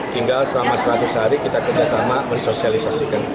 tinggal selama seratus hari kita kerjasama mensosialisasikan